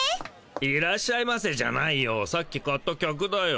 「いらっしゃいませ」じゃないよさっき買った客だよ。